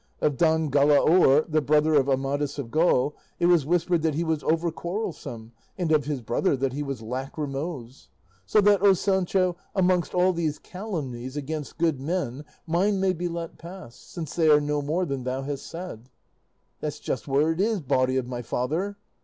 Of Don Galaor, the brother of Amadis of Gaul, it was whispered that he was over quarrelsome, and of his brother that he was lachrymose. So that, O Sancho, amongst all these calumnies against good men, mine may be let pass, since they are no more than thou hast said." "That's just where it is, body of my father!"